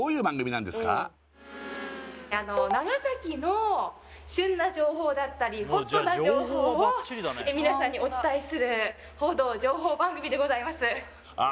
長崎の旬な情報だったりホットな情報をみなさんにお伝えする報道情報番組でございますああ